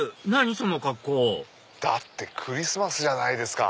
その格好だってクリスマスじゃないですか。